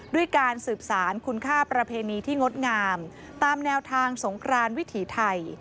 ด้วยการสืบสารคุณค่าประเพณีที่งดงามตามแนวทางสงครานวิถีไทย